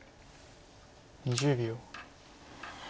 ２０秒。